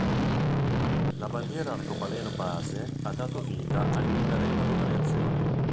La bandiera arcobaleno base ha dato vita a innumerevoli variazioni.